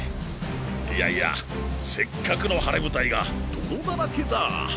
いやいやせっかくの晴れ舞台が泥だらけだ。